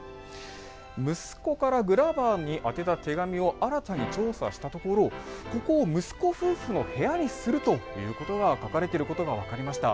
息子からグラバーに宛てた手紙を新たに調査したところここを息子夫婦の部屋にするということが書かれていることが分かりました。